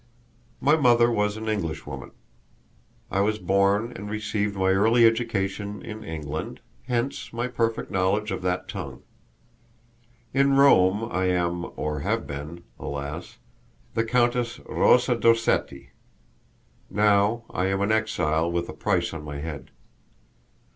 My mother was an English woman. I was born and received my early education in England, hence my perfect knowledge of that tongue. In Rome I am, or have been, alas, the Countess Rosa d'Orsetti; now I am an exile with a price on my head.